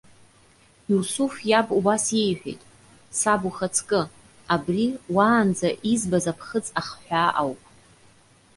Иусуф иаб убас иеиҳәеит:- Саб ухаҵкы! Абри, уаанӡа избаз аԥхыӡ ахҳәаа ауп.